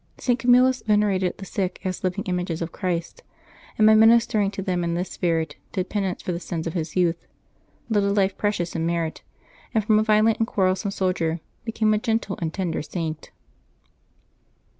— St. Camillus venerated the sick as living images of Christ, and by ministering to them in this spirit did penance for the sins of his youth, led a life precious in merit, and from a violent and quarrelsome soldier became a gentle and tender Saint.